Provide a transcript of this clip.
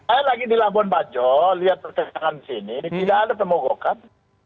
saya lagi di labuan bajo lihat pertentangan sini tidak ada pemogokan